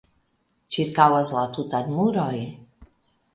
Ĉirkaŭas la tutan muroj.